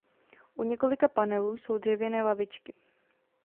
U několika panelů jsou dřevěné lavičky.